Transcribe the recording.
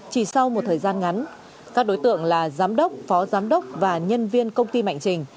chỉ sau một thời gian ngắn các đối tượng là giám đốc phó giám đốc và nhân viên công ty mạnh trình